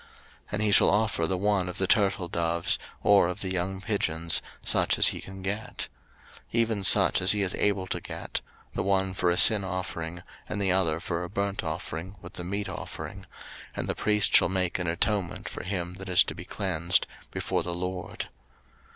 03:014:030 And he shall offer the one of the turtledoves, or of the young pigeons, such as he can get; 03:014:031 Even such as he is able to get, the one for a sin offering, and the other for a burnt offering, with the meat offering: and the priest shall make an atonement for him that is to be cleansed before the LORD.